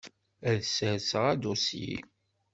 Ad sserseɣ adusyi.